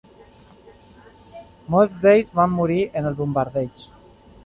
Molts d'ells van morir en el bombardeig.